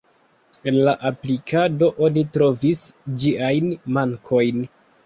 En la aplikado oni trovis ĝiajn mankojn.